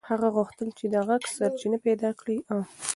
هغه غوښتل چې د غږ سرچینه پیدا کړي.